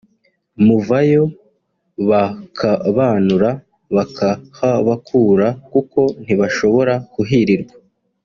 […] muvayo bakabanura(bakahabakura) kuko ntibashobora kuhirirwa